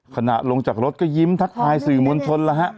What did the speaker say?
ขณะลงจากรถก็ยิ้มทักทายสื่อมวลชนแล้วฮะ